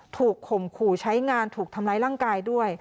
ข่มขู่ใช้งานถูกทำร้ายร่างกายด้วย